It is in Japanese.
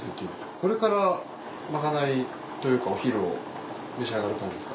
これからまかないというかお昼を召し上がる感じですか？